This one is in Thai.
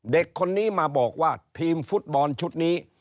เด็กคนนี้มาบอกว่าทีมฟุตบอลชุดนี้